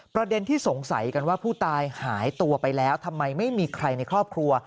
ประเด็นที่สงสัยกันว่าผู้ตายหายตัวไปแล้วทำไมไม่มีใครในครอบครัว